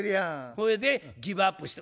それでギブアップして。